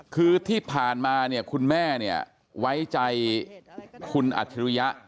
คือที่ผ่านมาเนี่ยคุณแม่เนี่ยไว้ใจคุณอัจฉริยะ